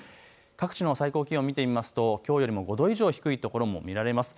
各地の最高気温を見てみますときょうよりも５度以上低いところも見られます。